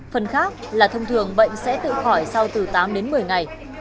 phần khác là thông thường bệnh sẽ tự khỏi sau từ tám đến một mươi ngày